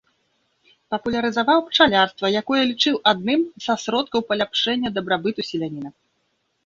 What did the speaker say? Папулярызаваў пчалярства, якое лічыў адным са сродкаў паляпшэння дабрабыту селяніна.